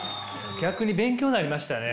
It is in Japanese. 逆に勉強になりましたね。